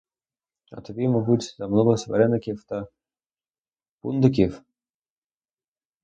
А тобі, мабуть, заманулось вареників та пундиків?